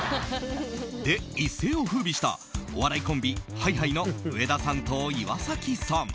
で、一世を風靡したお笑いコンビＨｉ‐Ｈｉの上田さんと岩崎さん。